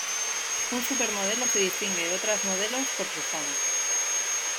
Un supermodelo se distingue de otras modelos por su fama.